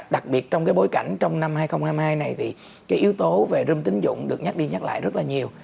đặc biệt trong cái bối cảnh trong năm hai nghìn hai mươi hai này thì cái yếu tố về rươm tính dụng được nhắc đi nhắc lại rất là nhiều